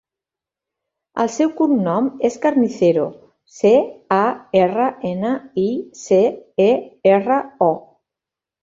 El seu cognom és Carnicero: ce, a, erra, ena, i, ce, e, erra, o.